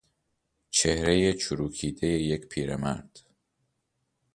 چهرهی چروکیدهی یک پیرمرد